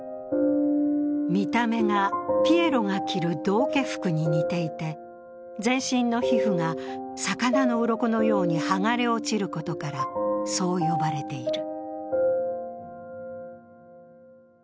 見た目がピエロが着る道化服に似ていて全身の皮膚が魚のうろこのように剥がれ落ちることからそう呼ばれている。